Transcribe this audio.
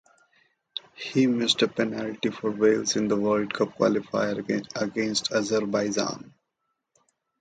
He missed a penalty for Wales in a World Cup qualifier against Azerbaijan.